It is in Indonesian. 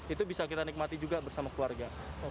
itu bisa kita nikmati juga bersama keluarga